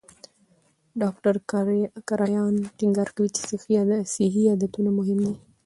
ډاکټر کرایان ټینګار کوي چې صحي عادتونه مهم دي.